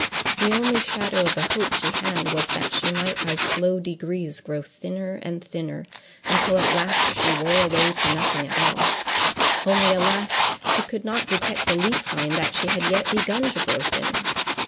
The only shadow of a hope she had was, that she might by slow degrees grow thinner and thinner, until at last she wore away to nothing at all; only alas! she could not detect the least sign that she had yet begun to grow thinner.